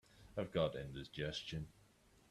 I've got indigestion.